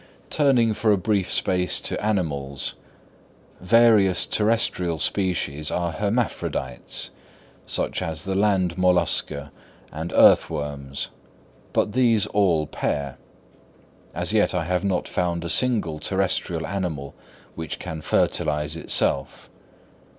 Turning for a brief space to animals: various terrestrial species are hermaphrodites, such as the land mollusca and earth worms; but these all pair. As yet I have not found a single terrestrial animal which can fertilise itself.